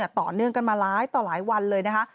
ต่อเนื่องกันมาหลายต่อหลายวันเลยนะคะ